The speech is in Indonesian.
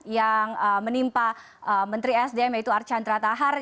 yang menimpa menteri sdm yaitu archandra tahar